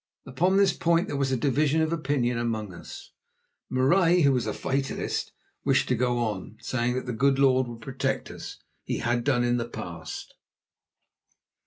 Upon this point there was a division of opinion among us. Marais, who was a fatalist, wished to go on, saying that the good Lord would protect us, as He had done in the past.